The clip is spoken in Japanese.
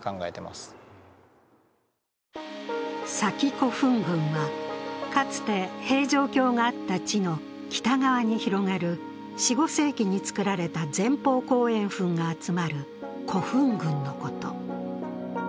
古墳群は、かつて平城京があった地の北側に広がる４５世紀に造られた前方後円墳が集まる古墳群のこと。